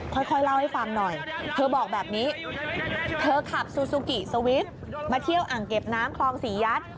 ค่อยเล่าให้ฟังหน่อยเธอบอกแบบนี้เธอขับซูซูกิสวิสมาเที่ยวอ่างเก็บน้ำคลองศรียัตน์